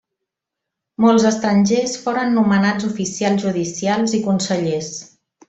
Molts estrangers foren nomenats oficials judicials i consellers.